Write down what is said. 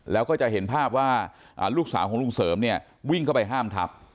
แล้วก็จะเห็นภาพว่าลูกสาวของลุงเสริมเนี่ยวิ่งเข้าไปห้ามทับ